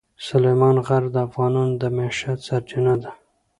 سلیمان غر د افغانانو د معیشت سرچینه ده.